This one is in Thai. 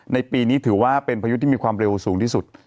ในปีนี้ถือว่าเป็นพายุที่มีความเร็วสูงที่สุด